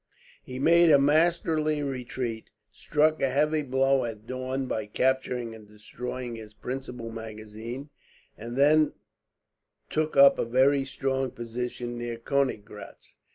He made a masterly retreat, struck a heavy blow at Daun by capturing and destroying his principal magazine, and then took up a very strong position near Koeniggraetz.